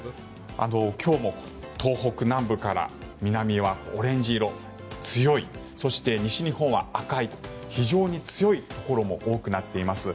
今日も東北南部から南はオレンジ色強いそして、西日本は赤い非常に強いところも多くなっています。